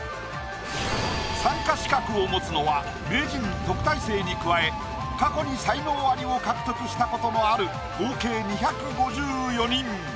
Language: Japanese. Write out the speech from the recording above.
参加資格を持つのは名人特待生に加え過去に才能アリを獲得した事のある合計２５４人。